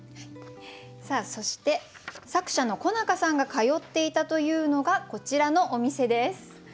そして作者の小中さんが通っていたというのがこちらのお店です。